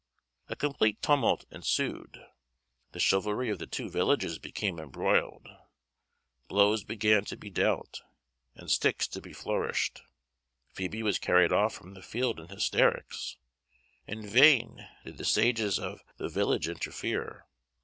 A complete tumult ensued. The chivalry of the two villages became embroiled. Blows began to be dealt, and sticks to be flourished. Phoebe was carried off from the field in hysterics. In vain did the sages of the village interfere.